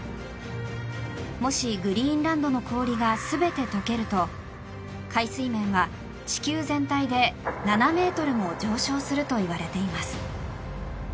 もし、グリーンランドの氷が全て解けると海水面は地球全体で７ｍも上昇するといわれています。